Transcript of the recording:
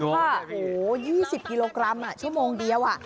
โอ้โห๒๐กิโลกรัมชั่วโมงเดียว